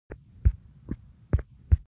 • وفادار ملګری د ژوند رڼا ده.